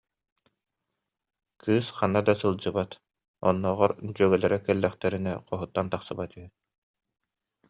Кыыс ханна да сылдьыбат, оннооҕор дьүөгэлэрэ кэллэхтэринэ хоһуттан тахсыбат үһү